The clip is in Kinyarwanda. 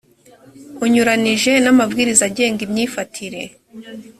unyuranije n’amabwiriza agenga imyifatire.